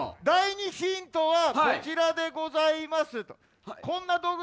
第２ヒントはこちらでございます。